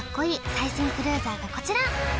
最新クルーザーがこちら！